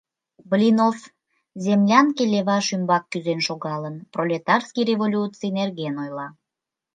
Блинов, землянке леваш ӱмбак кӱзен шогалын, пролетарский революций нерген ойла.